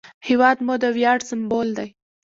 هېواد مو د ویاړ سمبول دی